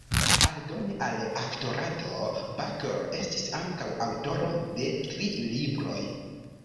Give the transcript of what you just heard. Aldone al aktorado, Baker estis ankaŭ aŭtoro de tri libroj.